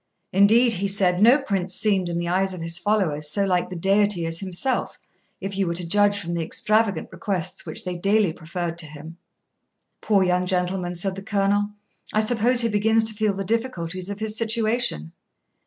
Indeed, he said, no prince seemed, in the eyes of his followers, so like the Deity as himself, if you were to judge from the extravagant requests which they daily preferred to him.' 'Poor young gentleman,' said the Colonel, 'I suppose he begins to feel the difficulties of his situation.